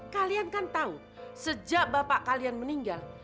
kalian kan tahu sejak bapak kalian meninggal